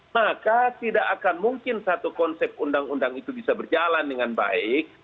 maka tidak akan mungkin satu konsep undang undang itu bisa berjalan dengan baik